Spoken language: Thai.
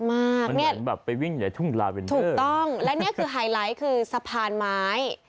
มันเหมือนแบบไปวิ่งในทุ่งลาเวนถูกต้องและนี่คือไฮไลท์คือสะพานไม้